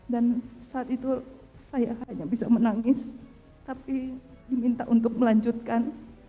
dan saat itu saya hanya bisa menangis tapi diminta untuk melanjutkan